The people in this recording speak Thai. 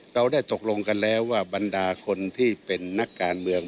เราได้ตกลงกันแล้วว่าบรรดาคนที่เป็นนักการเมือง